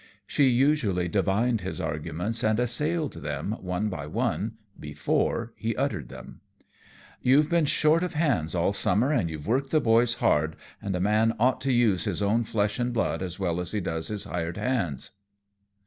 She usually divined his arguments and assailed them one by one before he uttered them. "You've been short of hands all summer, and you've worked the boys hard, and a man ought use his own flesh and blood as well as he does his hired hands.